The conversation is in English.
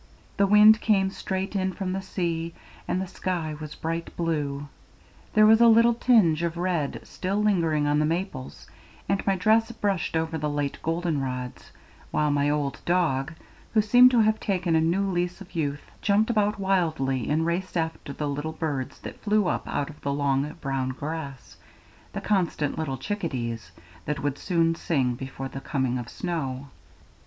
The wind came straight in from the sea, and the sky was bright blue; there was a little tinge of red still lingering on the maples, and my dress brushed over the late golden rods, while my old dog, who seemed to have taken a new lease of youth, jumped about wildly and raced after the little birds that flew up out of the long brown grass the constant little chickadees, that would soon sing before the coming of snow.